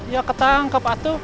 ya ketangkep atu